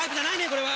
これは。